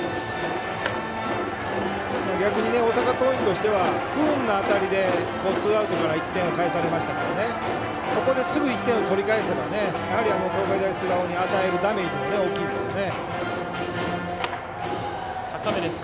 逆に大阪桐蔭としては不運な当たりでツーアウトから１点を返されましたからここで、すぐ１点を取り返せば東海大菅生に与えるダメージも大きいですよね。